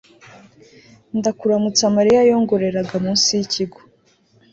Ndakuramutsa Mariya yongoreraga munsi y ikigo